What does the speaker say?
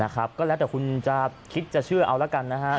นะครับแล้วแต่คุณคิดจะเชื่อเอาละกันนะฮะ